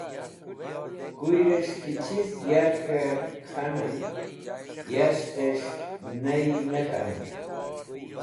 Kuyrẽs̃h ki chiz yarkẽr k̃hanẽn yashtẽs̃h ney ne k̃hanẽn